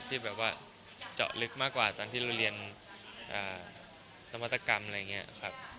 ที่แบบว่าเจาะลึกมากกว่าตอนที่เราเรียนนวัตกรรมอะไรอย่างนี้ครับ